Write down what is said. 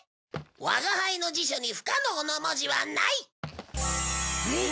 「我が輩の辞書に不可能の文字はない」。